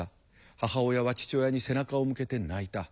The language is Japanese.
母親は父親に背中を向けて泣いた。